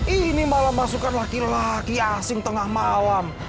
ini malam masukan laki laki asing tengah malam